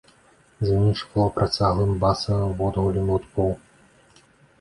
Звініць шкло працяглым басавым водгуллем гудкоў.